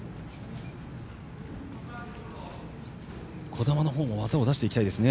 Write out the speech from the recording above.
児玉のほうも技を出していきたいですね。